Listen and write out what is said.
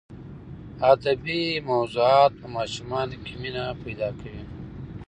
ادبي موضوعات په ماشومانو کې مینه پیدا کوي.